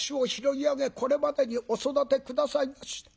これまでにお育て下さいました。